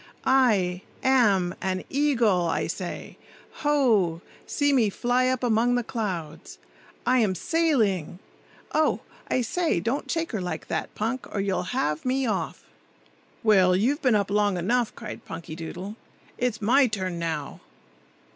"I—am—an eagle, I say. Ho! see me fly up among the clouds! I am sailing—Oh, I say! don't shake her like that, Punk, or you'll have me off!" "Well, you've been up long enough!" cried Punkydoodle. "It's my turn now.